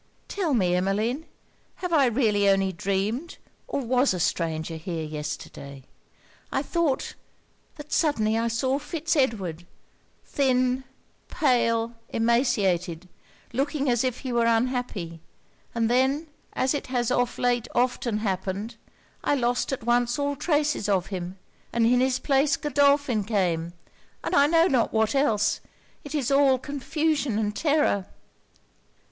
'Tell me, Emmeline, have I really only dreamed, or was a stranger here yesterday? I thought, that suddenly I saw Fitz Edward, thin, pale, emaciated, looking as if he were unhappy; and then, as it has of late often happened, I lost at once all traces of him; and in his place Godolphin came, and I know not what else; it is all confusion and terror!'